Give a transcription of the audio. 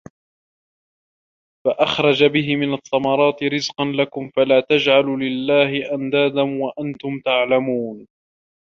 فَأَخْرَجَ بِهِ مِنَ الثَّمَرَاتِ رِزْقًا لَكُمْ ۖ فَلَا تَجْعَلُوا لِلَّهِ أَنْدَادًا وَأَنْتُمْ تَعْلَمُونَ